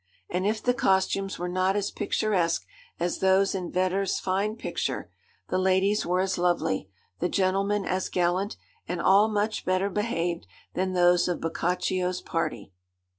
And if the costumes were not as picturesque as those in Vedder's fine picture, the ladies were as lovely, the gentlemen as gallant, and all much better behaved than those of Boccaccio's party.